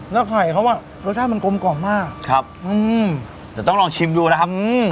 แล้วไข่เขาอ่ะรสชาติมันกลมกล่อมมากครับอืมเดี๋ยวต้องลองชิมดูนะครับอืม